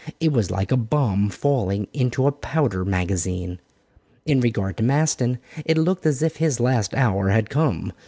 It was like a bomb falling into a powder magazine. In regard to Maston, it looked as if his last hour had come.